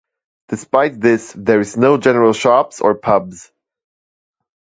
Despite this there is no general shops or pubs.